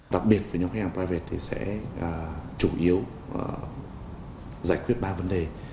đặc biệt với nhóm khách hàng private thì sẽ chủ yếu giải quyết ba vấn đề